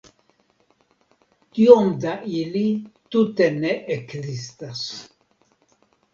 Tiom da ili tute ne ekzistas.